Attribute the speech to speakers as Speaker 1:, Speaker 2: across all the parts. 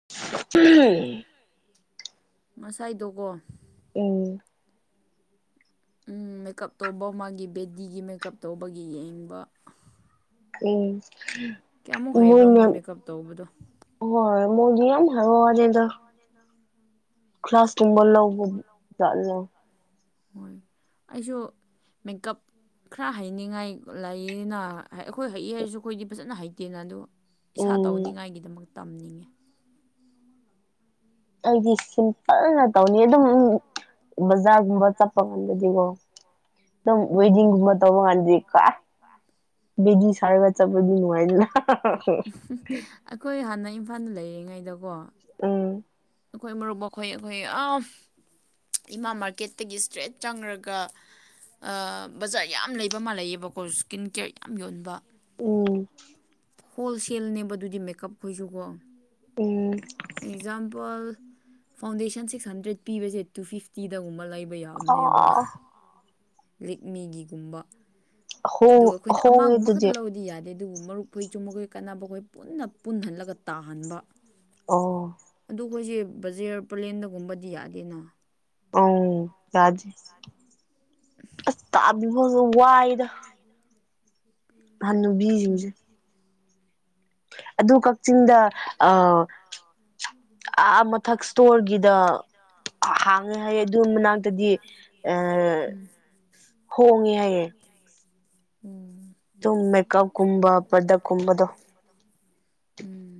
Speaker 1: [unintelligible]
Speaker 2: ꯉꯁꯥꯏꯗꫭꯀꯣ
Speaker 1: ꯑꯥ
Speaker 2: ꯝ ꯃꯦꯀꯞ ꯇꯧꯕ ꯃꯥꯒꯤ ꯕꯦꯗꯤꯒꯤ ꯃꯦꯀꯞ ꯇꯧꯕꯒꯤ ꯌꯦꯡꯕ꯫
Speaker 1: ꯎꯝ
Speaker 2: ꯀꯌꯥꯃꯨꯛ ꯍꯩꯕ꯭ꯔ ꯃꯣꯏ ꯃꯦꯀꯞ ꯇꯧꯕꯗꯣ꯫
Speaker 1: ꯃꫭꯏꯗꯤ ꯌꯥꯝ ꯍꯩꯕ ꯋꯥꯅꯦꯗ꯫ ꯀ꯭ꯂꯥꯁ ꯇꯨꯝꯕ ꯂꯧꯕ ꯆꯠꯂ
Speaker 2: ꯍꯣꯏ ꯑꯩꯁꯨ ꯃꯦꯀꯞ ꯈꯔ ꯍꯩꯅꯤꯡꯉꯥꯏ ꯂꯩꯅ ꯑꯩꯈꯣꯏ ꯍꯩ ꯍꯥꯏꯔꯁꯨ ꯑꯩꯈꯣꯏꯗꯤ ꯐꯖꯅ ꯍꯩꯇꯦꯅ ꯑꯗꯨ ꯏꯁꯥ
Speaker 1: ꯎꯝ
Speaker 2: ꯇꯧꯅꯤꯡꯉꯥꯏꯒꯤꯗꯃꯛ ꯇꯝꯅꯤꯡꯉꯤ
Speaker 1: ꯑꯩꯗꯤ ꯁꯤꯝꯄꯜꯅ ꯇꯧꯅꯤ ꯑꯗꯨꯝ ꯕꯖꯥꯔꯒꯨꯝꯕ ꯆꯠꯄ ꯀꯥꯟꯗꯗꯤꯀꯣ ꯅꯝ
Speaker 2: ꯎꯝ
Speaker 1: ꯋꯦꯗꯤꯡꯒꯨꯝꯕ ꯇꯧꯕ ꯀꯥꯟꯗꯗꯤ ꯀ ꯦꯖꯤ ꯁꯥꯔꯦꯕ ꯆꯆꯥ ꯄꯗꯤ ꯉꯅꯨꯡꯥꯏꯂ
Speaker 2: ꯐꯅ ꯂꯩꯔꯤꯉꯩꯗ
Speaker 1: ꯎꯝ
Speaker 2: ꯑꯩꯈꯣꯏ ꯃꯔ ꯔꯨꯕꯣꯛ ꯈꯣꯏ ꯑꯩꯈꯣꯏ ꯑ ꯏꯃꯥ ꯃꯥꯔꯀꯦꯠꯇꯒꯤ ꯏꯁꯇ꯭ꯔꯦꯠ ꯆꯪꯔꯒ ꯕꯖꯥꯔ ꯌꯥꯝ ꯂꯩꯕ ꯃꯥꯜꯂꯑꯕꯀꯣ ꯏꯁꯀꯤꯟ ꯀꯦꯌꯔ ꯌꯥꯝ ꯌꯣꯟꯕ
Speaker 1: ꯎꯝ
Speaker 2: ꯍꯣꯜꯁꯦꯜꯅꯦꯕ ꯑꯗꯨꯗꯤ ꯃꯦꯀꯞꯈꯣꯏꯁꯨꯀꯣ
Speaker 1: ꯎꯝ
Speaker 2: ꯜ ꯐꯥꯎꯟꯗꯦꯁꯟ ꯁꯤꯛꯁ ꯍꯟꯗ꯭ꯔꯦꯠ ꯄꯤꯕꯁꯦ ꯇꯨ ꯐꯤꯇꯤꯗꯒꯨꯝꯕ ꯂꯩ ꯌꯥꯝꯅꯦꯕ
Speaker 1: ꯑꯥ
Speaker 2: ꯔꯤꯛꯃꯤꯒꯤꯒꯨꯝꯕ
Speaker 1: ꯍꯣꯡ
Speaker 2: ꯑꯗꯨꯒ ꯑꯩꯈꯣꯏꯅ
Speaker 1: ꯍꯣꯡꯉꯦ
Speaker 2: ꯑꯃꯒꯨꯝꯕ ꯈꯛꯇ
Speaker 1: ꯑꯗꯨꯗꯤ
Speaker 2: ꯂꯧꯗꯤ ꯌꯥꯗꯦ ꯑꯗꯨꯕꯨ ꯃꯔꯨꯞꯈꯨ ꯆꯨꯝꯕꯈꯣꯏ ꯀꯥꯟꯅꯕ ꯑꯩꯈꯣꯏ ꯄꯨꯟꯅ ꯄꯨꯟꯍꯜꯂꯒ ꯇꯥꯍꯟꯕ
Speaker 1: ꯑꯣ
Speaker 2: ꯑꯗꯨ ꯑꯩꯈꯣꯏꯁꯦ ꯕꯖꯦꯌꯔ ꯄꯂꯦꯟꯗꯒꯨꯝꯕꯗꯤ ꯌꯥꯗꯦꯅ
Speaker 1: ꯑ ꯌꯥꯖꯤ ꯑ ꯇꯥꯕꯤ ꯋꯥꯏꯗ ꯍꯅꯨꯕꯤꯁꯤꯡꯨꯁꯦ ꯑꯗꯨ ꯀꯛꯆꯤꯡꯗ ꯑ ꯑꯥ ꯃꯊꯛ ꯏꯁꯇꯣꯔꯒꯤꯗ
Speaker 2: ꯑꯃꯊꯇꯒꯤꯗꯥꯡ
Speaker 1: ꯑ ꯍꯣꯡꯉꯦ ꯍꯥꯏꯌꯦ
Speaker 2: ꯎꯝ
Speaker 1: ꯑꯗꯨꯝ ꯃ ꯀꯥꯞ ꯀꯨꯝꯕ ꯄꯔꯗꯛ ꯀꯨꯝꯕꯗꯣ
Speaker 2: ꯎꯝ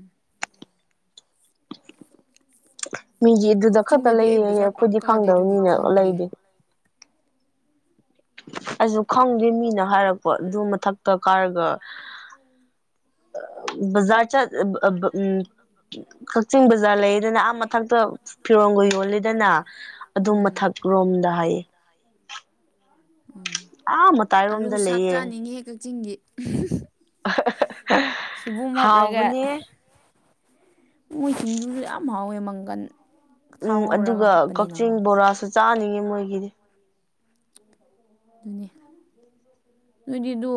Speaker 1: ꯃꯤꯁꯦ ꯑꯗꯨꯗ ꯈꯛꯇ
Speaker 2: ꯀꯛꯆꯤꯡꯗꯗꯤ ꯑꯩ
Speaker 1: ꯂꯩꯌꯦ
Speaker 2: ꯕꯖꯥꯔ ꯄꯥꯛ
Speaker 1: ꯑꯩꯈꯣꯏꯗꯤ
Speaker 2: ꯀꯥꯗꯦ ꯑꯗꯨꯒꯤ
Speaker 1: ꯈꯪꯗꯕꯅꯤꯅꯦ
Speaker 2: ꯈꯪꯗꯦ
Speaker 1: ꯂꯩꯗꯤ ꯑꯩꯁꯨ ꯈꯪꯗꯦ ꯃꯤꯅ ꯍꯥꯏꯔꯛꯄꯣ ꯑꯗꯨ ꯃꯊꯛꯇ ꯀꯥꯔꯒ ꯖꯥ ꯆ ꯎꯝ ꯀꯛꯆꯤꯡ ꯕꯖꯥꯔ ꯂꯩꯗꯅ ꯑꯥ ꯃꯊꯛꯇ ꯐꯤꯔꯣꯟꯒ ꯌꯣꯜꯂꯤꯗꯅ ꯑꯗꯨꯝ ꯃꯊꯛ ꯔꯣꯝꯗ ꯍꯥꯏ ꯑꯥ ꯃꯇꯥꯏꯔꯣꯝꯗ ꯂꯩꯌꯦ
Speaker 2: ꯆꯤꯡꯒꯤ ꯁꯤꯕꯨꯝ ꯍꯥꯞꯂꯒ
Speaker 1: ꯍꯥꯎꯕꯅꯦ
Speaker 2: ꯃꯣꯏ ꯁꯤꯡꯖꯨꯁꯨ ꯌꯥꯝ ꯍꯥꯎꯋꯦ ꯃꯪꯒꯟ ꯊꯥꯎ
Speaker 1: ꯎꯝ
Speaker 2: ꯉꯧꯔꯒ
Speaker 1: ꯑꯗꯨꯒ
Speaker 2: ꯍꯥꯞꯄꯅꯤꯅꯀꯣ
Speaker 1: ꯀꯛꯆꯤꯡ ꯕꯣꯔꯥꯁꯨ ꯆꯥꯅꯤꯡꯉꯤ ꯃꯣꯏꯒꯤꯗꯤ
Speaker 2: ꯑꯗꯨꯅꯤ ꯅꯣꯏꯗꯤ ꯑꯗꯨ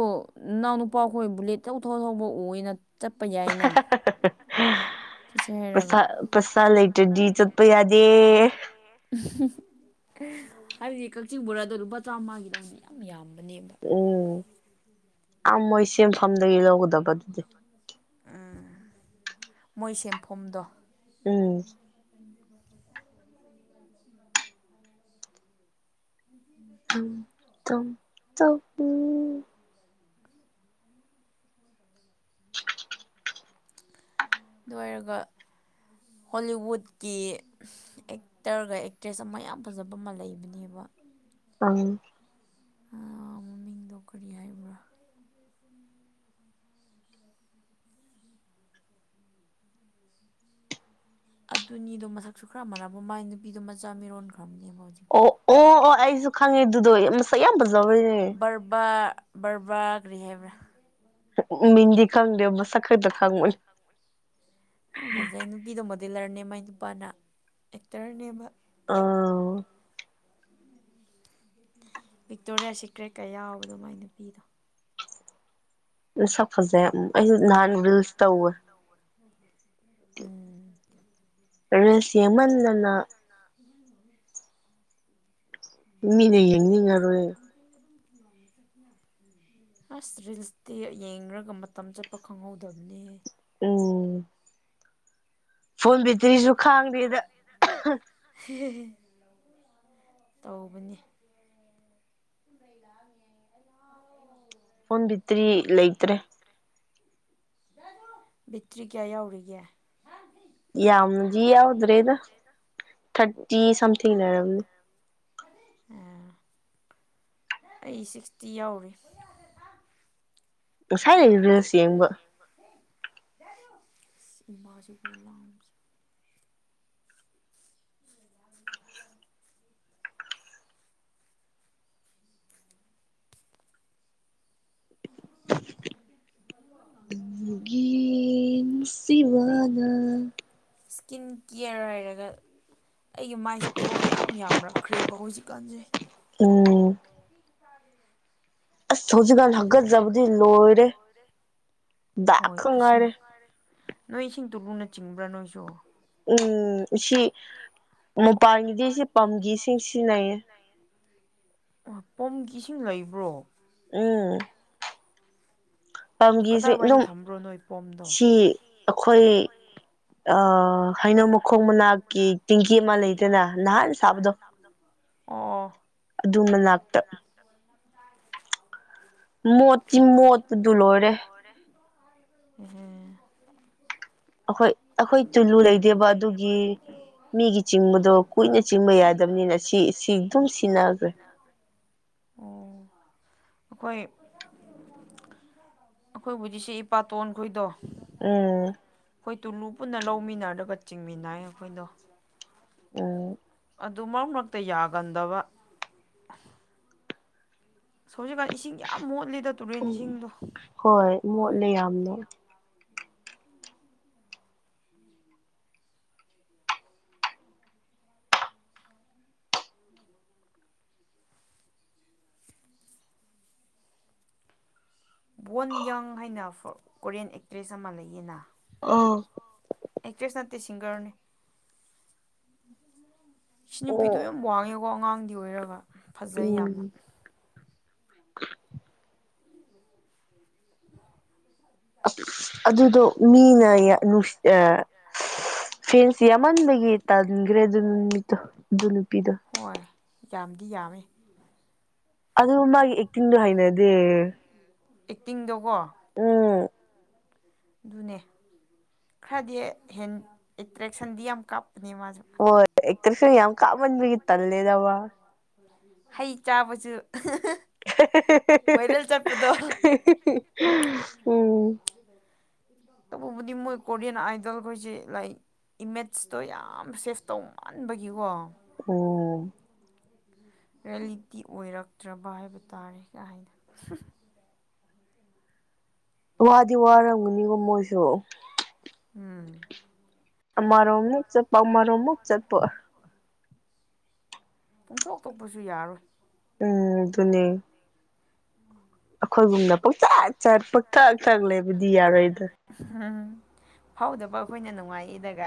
Speaker 2: ꯅꯅꯥꯎ ꯅꯨꯄꯥꯈꯣꯏ ꯕꯨꯂꯦꯠ ꯇꯧꯊꯣꯛꯑ ꯊꯧꯕ ꯑꯣꯏꯅ ꯆꯠꯄ ꯌꯥꯏꯅ ꯆꯠꯁꯦ ꯍꯥꯏꯔꯒ
Speaker 1: ꯄꯩꯁꯥ ꯄꯩꯁꯥ ꯂꯩꯇ꯭ꯔꯗꯤ ꯆꯠꯄ ꯌꯥꯗꯦ
Speaker 2: ꯍꯥꯏꯕꯗꯤ ꯀꯛꯆꯤꯡ ꯕꯣꯔꯥꯗ ꯑꯗꯨꯝ ꯃꯕꯆꯥ ꯃꯥꯒꯤꯗꯧꯅꯦ ꯌꯥꯝꯕ ꯑꯅꯦꯝꯕ
Speaker 1: ꯎꯝ ꯑꯥ ꯃꯣꯏ ꯁꯦꯟꯐꯝꯗꯒꯤ
Speaker 2: ꯎꯝ
Speaker 1: ꯂꯧꯒꯗꯕ ꯑꯗꯨꯗꯤ
Speaker 2: ꯃꯣꯏ ꯁꯦꯟꯐꯝꯗꯣ
Speaker 1: ꯎꯝ ꯎ ꯎꯝ
Speaker 2: ꯑꯗꯨꯏꯔꯒ ꯍꯣꯂꯤꯋꯨꯠꯀꯤ ꯑꯦꯛꯇꯔꯒ ꯑꯦꯛꯇ꯭ꯔꯦꯁ ꯑꯃ ꯌꯥꯝ ꯐꯖꯕ ꯑꯃ ꯂꯩꯕꯅꯦꯕ
Speaker 1: ꯑꯪ
Speaker 2: ꯃꯃꯤꯡꯗꯣ ꯀꯔꯤ ꯍꯥꯏꯕ꯭ꯔꯥ ꯑꯗꯨꯅꯤꯗꯣ ꯃꯁꯛꯁꯨ ꯈ꯭ꯔꯃꯔꯕ ꯃꯥꯏ ꯅꯨꯄꯤꯗꯣ ꯃꯆꯥ ꯃꯤꯔꯣꯟꯈ꯭ꯔ
Speaker 1: ꯑꯣ ꯑꯣ ꯑꯣ ꯑꯩꯁꯨ ꯈꯪꯉꯤꯗꯨꯗꯣ ꯃꯁꯛ ꯌꯥꯝ ꯐꯖꯧꯕ
Speaker 2: ꯕꯔꯕꯥ ꯕꯔꯕꯥ ꯒ꯭ꯔꯤꯍꯦꯕ꯭ꯔꯥ
Speaker 1: ꯃꯤꯡꯗꯤ ꯈꯪꯗꯦ ꯃꯁꯛ ꯈꯩꯗ ꯈꯪꯕꯅꯤ
Speaker 2: ꯌꯥꯝ ꯐꯖꯩ ꯅꯨꯄꯤꯗꯣ ꯃꯣꯗꯤꯂꯔꯅꯦ ꯃꯥꯏ ꯅꯨꯄꯥꯅ ꯑꯦꯛꯇꯔꯅꯦꯕ
Speaker 1: ꯑꯥ
Speaker 2: ꯕꯤꯛꯇꯣꯔꯤꯌꯥ ꯁꯤꯀ꯭ꯔꯦꯠꯀ ꯌꯥꯎꯕ ꯑꯗꯨꯃꯥꯏ ꯅꯨꯄꯤꯗꯣ
Speaker 1: ꯁꯛ ꯐꯖꯩ ꯑꯩꯁꯨ ꯅꯥꯟ ꯔꯤꯜꯁ ꯇꯧꯋꯦ
Speaker 2: ꯎꯝ
Speaker 1: [unintelligible] ꯔꯤꯜꯁ ꯌꯦꯡꯃꯟꯗꯅ ꯃꯤꯅ ꯌꯦꯡꯅꯤꯡꯉꯔꯣꯏ
Speaker 2: [unintelligible] ꯑꯁ ꯔꯤꯜꯁꯇꯤ ꯌꯦꯡꯉꯒ ꯃꯇꯝ ꯆꯠꯄ ꯈꯪꯍꯧꯗꯕꯅꯦ
Speaker 1: ꯎꯝ ꯐꯣꯟ ꯕꯦꯇꯔꯤꯁꯨ ꯈꯥꯡꯗꯦꯗ
Speaker 2: ꯇꯧꯕꯅꯦ [unintelligible]
Speaker 1: ꯐꯣꯟ ꯕꯤꯇ꯭ꯔꯤ ꯂꯩꯇ꯭ꯔꯦ
Speaker 2: ꯕꯤꯛꯇ꯭ꯔꯤ ꯀꯌꯥ ꯌꯥꯎꯔꯤꯒꯦ
Speaker 1: ꯌꯥꯝꯗꯤ ꯌꯥꯎꯗ꯭ꯔꯦꯗ ꯊꯥꯔꯇꯤ ꯁꯝꯊꯤꯡ ꯂꯩꯔꯝꯅꯤ
Speaker 2: ꯑꯩ ꯁꯤꯛꯁꯇꯤ ꯌꯥꯎꯔꯤ
Speaker 1: ꯉꯁꯥꯏꯅ ꯔꯤꯜꯁ ꯌꯦꯡꯕ
Speaker 2: ꯏꯃꯥꯁꯨ [unintelligible]
Speaker 1: ꯒꯤ
Speaker 2: [unintelligible]
Speaker 1: [unintelligible]
Speaker 2: ꯏꯁꯀꯤꯟ ꯀꯤꯌꯔ ꯍꯥꯏꯔꯒ ꯑꯩꯒꯤ ꯃꯥꯏꯁꯦ ꯄꯣꯔ ꯌꯥꯝ ꯌꯥꯝꯔꯛꯈ꯭ꯔꯦꯕ ꯍꯧꯖꯤꯛꯀꯥꯟꯁꯦ
Speaker 1: ꯎꯝ ꯑꯁ ꯍꯧꯖꯤꯛꯀꯥꯟ ꯍꯥꯀꯠꯆꯕꯗꯤ ꯂꯣꯏꯔꯦ ꯗꯥꯛ
Speaker 2: ꯍꯣꯏ
Speaker 1: ꯈ
Speaker 2: ꯏꯁꯤꯡ
Speaker 1: ꯉꯥꯏꯔꯦ
Speaker 2: ꯅꯣꯏ ꯏꯁꯤꯡ ꯇꯨꯂꯨꯅ ꯆꯤꯡꯕ꯭ꯔ ꯅꯣꯏꯁꯨ
Speaker 1: ꯎꯝ ꯁꯤ ꯃꯄꯥꯟꯒꯤꯗꯤ ꯁꯤ ꯄꯝꯒꯤꯁꯤꯡ ꯁꯤꯖꯤꯟ ꯅꯩꯌꯦ
Speaker 2: ꯄꯝꯒꯤ ꯏꯁꯤꯡ ꯂꯩꯕ꯭ꯔꯣ
Speaker 1: ꯎꯝ ꯄꯝꯒꯤꯁꯤ
Speaker 2: ꯀꯗꯥꯏꯋꯥꯏꯗ
Speaker 1: ꯑꯗꯨꯝ
Speaker 2: ꯊꯝꯕ꯭ꯔꯣ ꯅꯣꯏ ꯄꯣꯝꯗꯣ
Speaker 1: ꯁꯤ ꯑꯈꯣꯏ ꯑ ꯍꯩꯅꯧ ꯃꯈꯣꯡ ꯃꯅꯥꯛ ꯀꯤ ꯇꯤꯡꯀꯤ ꯑꯃ ꯂꯩꯗꯅ ꯅꯍꯥꯟ ꯁꯥꯕꯗꯣ
Speaker 2: ꯑꯣ
Speaker 1: ꯑꯗꯨ ꯃꯅꯥꯛꯇ ꯃꯣꯠꯇꯤ ꯃꯣꯠꯄꯗꯨ ꯂꯣꯏꯔꯦ
Speaker 2: ꯎꯝ
Speaker 1: ꯑꯈꯣꯏ ꯑꯈꯣꯏ ꯇꯨꯂꯨ ꯂꯩꯗꯦꯕ ꯑꯗꯨꯒꯤ ꯃꯤꯒꯤ ꯆꯤꯡꯕꯗꯣ ꯀꯨꯏꯅ ꯆꯤꯡꯕ ꯌꯥꯗꯝꯅꯤꯅ ꯁꯤ ꯁꯤ ꯑꯗꯨꯝ ꯁꯤꯟꯅꯈ꯭ꯔꯦ
Speaker 2: ꯑꯣ ꯑꯈꯣꯏ ꯑꯈꯣꯏ ꯍꯧꯖꯤꯛꯁꯦ ꯏꯄꯥꯇꯣꯟꯈꯣꯏꯗꯣ
Speaker 1: ꯎꯝ
Speaker 2: ꯈꯣꯏ ꯇꯨꯂꯨ ꯄꯨꯟꯅ ꯂꯧꯃꯤꯟꯅꯔꯒ ꯆꯤꯡꯃꯤꯟꯅꯩ ꯑꯈꯣꯏꯗꯣ
Speaker 1: ꯎꯝ
Speaker 2: ꯑꯗꯨ ꯃꯔꯛ ꯃꯔꯛꯇ ꯌꯥꯒꯟꯗꯕ ꯍꯧꯖꯤꯛꯀꯥꯟ ꯏꯁꯤꯡ ꯌꯥꯝ ꯃꯣꯠꯂꯤꯗ ꯇꯨꯔꯦꯟ
Speaker 1: ꯎꯝ
Speaker 2: ꯏꯁꯤꯡꯗꯣ
Speaker 1: ꯍꯣꯏ ꯃꯣꯠꯂꯦ ꯌꯥꯝꯅꯣ
Speaker 2: ꯕꯣꯔꯟ ꯌꯪ ꯍꯥꯏꯅ ꯀꯣꯔꯤꯌꯥꯟ ꯑꯦꯛꯇ꯭ꯔꯦꯁ ꯑꯃ ꯂꯩꯌꯦꯅ
Speaker 1: ꯑꯥ
Speaker 2: ꯑꯦꯛꯇ꯭ꯔꯦꯁ ꯅꯠꯇꯦ ꯁꯤꯡꯒꯔꯅꯦ ꯁꯤ ꯅꯨꯄꯤꯗꯣ
Speaker 1: ꯑꯣ
Speaker 2: ꯌꯥꯝ ꯋꯥꯡꯉꯦ ꯑꯗꯨꯒ ꯑꯉꯥꯡꯗꯤ ꯑꯣꯏꯔꯒ ꯐꯖꯩ ꯌꯥꯝꯅ
Speaker 1: ꯎꯝ ꯑꯗꯨꯗꯣ ꯃꯤꯅ ꯅꯨꯡ ꯐꯦꯟꯁꯤ ꯌꯥꯝꯃꯟꯕꯒꯤ ꯇꯥꯁꯤꯟꯈ꯭ꯔꯦ ꯑꯗꯨ ꯅꯨꯃꯤꯠꯇꯣ ꯑꯗꯨ ꯅꯨꯄꯤꯗꯣ
Speaker 2: ꯍꯣꯏ ꯌꯥꯝꯗꯤ ꯌꯥꯝꯃꯦ
Speaker 1: ꯑꯗꯨ ꯃꯥꯒꯤ ꯑꯦꯛꯇꯤꯡꯗꯣ ꯍꯩꯅꯗꯦ
Speaker 2: ꯑꯦꯛꯇꯤꯡꯗꯣꯀꯣ
Speaker 1: ꯑꯝ
Speaker 2: ꯑꯗꯨꯅꯦ ꯈꯔꯗꯤ ꯑꯦꯇ꯭ꯔꯦꯛꯁꯟꯗꯤ ꯌꯥꯝ ꯀꯥꯞ ꯑꯅꯤꯃ
Speaker 1: ꯐ ꯌꯥꯝ ꯀꯥꯃꯟꯕꯤꯒꯤ ꯇꯜꯂꯦꯗꯕ
Speaker 2: ꯍꯩ ꯆꯥꯕꯁꯨ ꯚꯥꯏꯔꯦꯜ ꯆꯠꯄꯗꯣ
Speaker 1: ꯎꯝ
Speaker 2: ꯇꯕꯨꯗꯤ ꯃꯣꯏ ꯀꯣꯔꯤꯌꯥꯟ ꯑꯥꯏꯗꯜ ꯀꯁꯦ ꯂꯥꯏ ꯏꯃꯦꯖꯇꯣ ꯌꯥꯝ ꯁꯦꯐ ꯇꯧꯃꯥꯟꯕꯒꯤꯀꯣ
Speaker 1: ꯎꯝ
Speaker 2: ꯔꯤꯌꯦꯂꯤꯇꯤ ꯑꯣꯏꯔꯛꯇ꯭ꯔꯕ ꯍꯥꯏꯕ ꯇꯥꯔꯦ ꯀꯥꯏꯅ
Speaker 1: ꯋꯥꯗꯤ ꯋꯥꯔꯝꯒꯅꯤꯕꯣ ꯃꯣꯏꯁꯨ
Speaker 2: ꯎꯝ
Speaker 1: ꯑꯔ ꯑꯃꯃꯨꯛ ꯆꯄ ꯑꯔ ꯑꯃꯃꯨꯛ ꯆꯠꯄ
Speaker 2: ꯄꯨꯡꯊꯣꯛꯇꯣꯛꯄꯁꯨ ꯌꯥꯔꯣꯏ
Speaker 1: ꯎꯝ ꯑꯗꯨꯅꯤ
Speaker 2: ꯎꯝ
Speaker 1: ꯑꯩꯈꯣꯏꯒꯨꯝꯅ ꯄꯣꯛꯆꯠ ꯆꯠ ꯄꯣꯛꯇꯥꯛ ꯇꯛ ꯂꯩꯕꯗꯤ ꯌꯥꯔꯣꯏꯗ
Speaker 2: ꯎꯝ ꯐꯥꯎꯗꯕ ꯑꯩꯈꯣꯏꯅ ꯅꯨꯡꯉꯥꯏꯗꯒ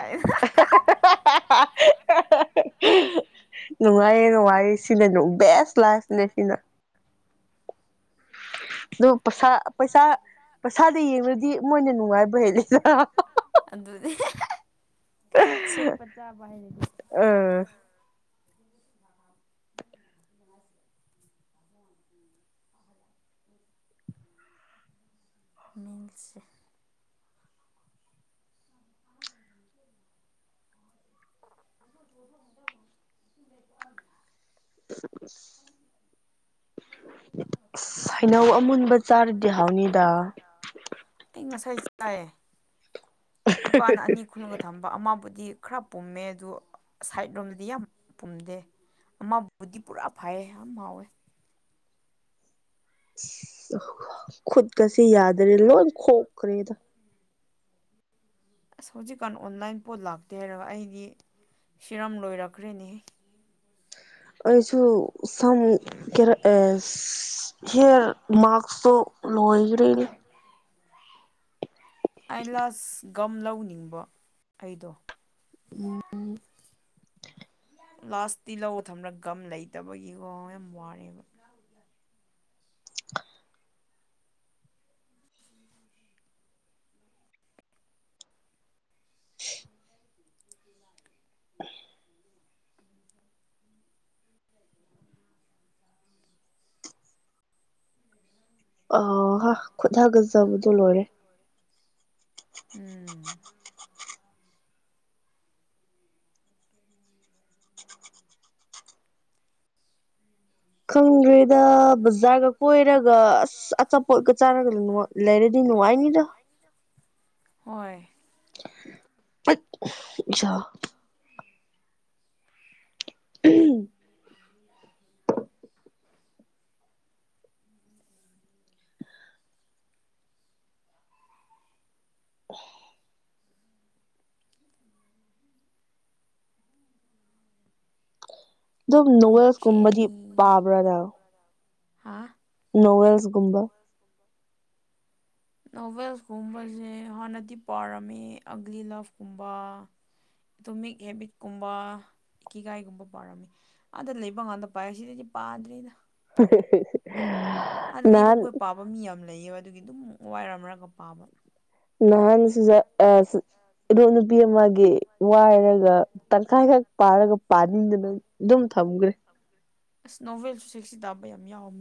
Speaker 2: [inaudible]
Speaker 1: ꯅꯨꯡꯉꯥꯏꯌꯦ ꯅꯨꯡꯉꯥꯏꯌꯦ ꯁꯤꯅꯁꯨ ꯕꯦꯁ ꯂꯥꯏꯁꯤꯅꯦ ꯁꯤꯅ
Speaker 2: ꯎꯝ
Speaker 1: ꯑꯗꯨ ꯄꯩꯁꯥ ꯄꯩꯁꯥ ꯄꯩꯁꯥꯗ ꯌꯦꯡꯨꯔꯗꯤ ꯃꯣꯏꯅ ꯅꯨꯡꯉꯥꯏꯕ ꯍꯦꯜꯂꯦ
Speaker 2: ꯑꯗꯨꯗꯤ ꯁꯦꯠꯄꯆꯥꯔ
Speaker 1: ꯎꯝ
Speaker 2: ꯃꯤꯜꯁꯦ [unintelligible]
Speaker 1: [unintelligible] ꯁꯩꯅꯧ ꯑꯃꯨꯟꯕ ꯆꯥꯔꯗꯤ ꯍꯥꯎꯅꯤꯗ
Speaker 2: ꯑꯩ ꯉꯁꯥꯏ ꯆꯥꯏꯑ ꯏꯄꯥꯅ ꯑꯅꯤ ꯈꯨꯜꯒ ꯊꯝꯕ ꯑꯃꯕꯨꯗꯤ ꯈꯔ ꯄꯨꯝꯃꯦ ꯑꯗꯨ ꯁꯥꯏꯠ ꯔꯣꯝꯗꯗꯤ ꯌꯥꯝ ꯄꯨꯝꯗꯦ ꯑꯃꯕꯨꯗꯤ ꯄꯨꯔꯥ ꯐꯩꯌꯦ ꯌꯥꯝ ꯍꯥꯎꯋꯦ
Speaker 1: ꯈꯨꯗꯀꯁꯤ ꯌꯥꯗꯔꯦ ꯂꯣꯏ ꯈꯣꯛꯈ꯭ꯔꯦꯗ
Speaker 2: ꯑꯁ ꯍꯧꯖꯤꯛꯀꯥꯟ ꯑꯣꯟꯂꯥꯏꯟ ꯄꯣꯠ ꯂꯥꯛꯇꯦ ꯍꯥꯏꯔꯒ ꯑꯩꯗꯤ ꯁꯤꯔ ꯂꯣꯏꯔꯛꯈ꯭ꯔꯦꯅꯦ
Speaker 1: ꯑꯩꯁꯨ ꯁꯝ ꯀꯔ ꯍꯦꯔ ꯃꯁꯛ ꯂꯣꯏꯒ꯭ꯔꯔꯤ
Speaker 2: ꯑꯥꯏꯂꯥꯁ ꯒꯝ ꯂꯧꯅꯤꯡꯕ ꯑꯩꯗꯣ
Speaker 1: ꯎꯝ
Speaker 2: ꯂꯥꯁꯇꯤ ꯂꯧ ꯊꯝꯔꯒ ꯒꯝ ꯂꯩꯇꯕꯒꯤꯀꯣ ꯌꯥꯝ ꯋꯥꯔꯦꯕ
Speaker 1: ꯑ ꯍꯥ ꯈꯨꯠꯊꯒꯖꯕꯗꯣ ꯂꯣꯏꯔꯦ
Speaker 2: ꯎꯝ
Speaker 1: ꯈꯪꯗ꯭ꯔꯦꯗ ꯕꯖꯥꯔꯒ ꯀꯣꯏꯔꯒ ꯑꯁ ꯑꯆꯥꯄꯣꯠꯀ ꯆꯥꯔꯒ ꯂꯩꯔꯗꯤ ꯅꯅꯨꯡ ꯄꯅꯤꯗ
Speaker 2: ꯍꯣꯏꯣꯏ
Speaker 1: ꯆꯥ ꯎꯝ ꯑꯗꯨꯝ ꯅꯣꯋꯦꯜꯁꯀꯨꯝꯕꯗꯤ ꯄꯥꯕ꯭ꯔꯥꯗ
Speaker 2: ꯍꯥꯥ
Speaker 1: ꯅꯣꯋꯦꯜꯁꯒꯨꯝꯕ
Speaker 2: ꯅꯣꯚꯦꯜꯁꯀꯨꯝꯕꯁꯦ ꯍꯥꯟꯅꯗꯤ ꯄꯥꯔꯝꯃꯦ ꯑꯒ꯭ꯂꯤ ꯂꯞꯀꯨꯝꯕ ꯑꯗꯨ ꯃꯤꯠ ꯍꯦꯕꯤꯠꯀꯨꯝꯕ ꯏꯀꯦꯒꯥꯏꯒꯨꯝꯕ ꯄꯥꯔꯝꯃꯤ ꯑꯥꯗ ꯂꯩꯕ ꯀꯥꯟꯗ ꯄꯥꯏ ꯁꯤꯗꯗꯤ ꯄꯥꯗ꯭ꯔꯦꯅ
Speaker 1: ꯎ
Speaker 2: ꯑꯗꯨꯗꯤꯔꯨꯈꯣꯏ ꯄꯥꯕ ꯃꯤ ꯌꯥꯝ ꯂꯩꯌꯦꯕ ꯑꯗꯨꯒꯤ ꯑꯗꯨꯝ ꯋꯥꯏꯔꯝꯔꯒ ꯄꯥꯕ
Speaker 1: ꯅꯍꯥꯟ ꯑ ꯑꯗꯣ ꯅꯨꯄꯤ ꯑꯃꯒꯤ ꯋꯥꯏꯔꯒ ꯇꯪꯈꯥꯏꯈꯛ ꯄꯥꯔꯒ ꯄꯥꯅꯤꯡꯗꯅ ꯑꯗꯨꯝ ꯊꯝꯒ꯭ꯔꯦ
Speaker 2: ꯑꯁ ꯅꯣꯕꯦꯜꯁꯨꯁ ꯁꯤ ꯇꯥꯕ ꯌꯥꯝ ꯌꯥꯎꯋꯦ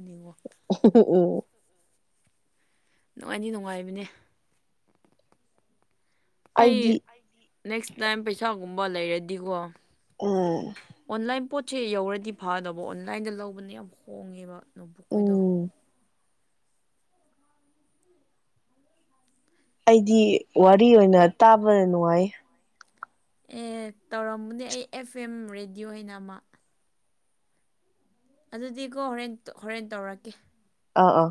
Speaker 1: ꯑꯣ ꯑꯣ
Speaker 2: ꯅꯨꯡꯉꯥꯏꯅꯤ ꯅꯨꯡꯉꯥꯏꯕꯅꯦ ꯑꯩ
Speaker 1: ꯑꯩꯗꯤ
Speaker 2: ꯅꯦꯛꯁ ꯇꯥꯏꯝ ꯄꯩꯁꯥꯒꯨꯝꯕ ꯂꯩꯔꯗꯤꯀꯣ
Speaker 1: ꯎꯝ
Speaker 2: ꯆꯦ ꯌꯧꯔꯗꯤ ꯐꯗꯧꯕ ꯑꯣꯟꯂꯥꯏꯟꯗ ꯂꯧꯕꯅ ꯌꯥꯝ ꯍꯣꯡꯉꯦꯕ ꯅꯣꯕꯨꯛꯈꯣꯏꯗꯣ
Speaker 1: ꯎꯝ ꯑꯩꯗꯤ ꯋꯥꯔꯤ ꯑꯣꯏꯅ ꯇꯥꯕꯗ ꯅꯨꯡꯉꯥꯏ
Speaker 2: ꯑꯦ ꯇꯧꯔꯃꯅꯦ ꯑꯩ ꯑꯦꯐ ꯑꯦꯝ ꯔꯦꯗꯤꯌꯑꯣ ꯍꯥꯏꯅ ꯑꯃ ꯑꯗꯨꯗꯤꯀꯣ ꯍꯣꯔꯦꯟ ꯍꯣꯔꯦꯟ ꯇꯧꯔꯛꯀꯦ
Speaker 1: ꯑꯥ ꯑꯥ